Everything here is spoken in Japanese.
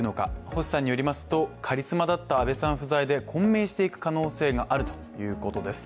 星さんによりますと、カリスマだった安倍さん不在で混迷していく可能性があるということです。